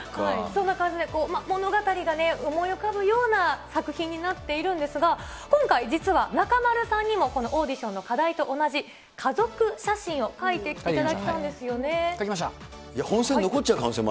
そんな感じで物語が思い浮かぶような作品になっているんですが、今回実は中丸さんにもこのオーディションの課題と同じ家族写真を描きました。